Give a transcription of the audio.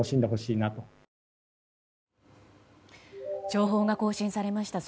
情報が更新されました。